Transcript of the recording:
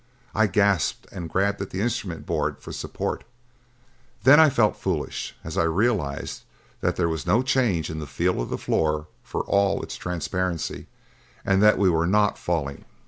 I gasped and grabbed at the instrument board for support. Then I felt foolish as I realized that there was no change in the feel of the floor for all its transparency and that we were not falling.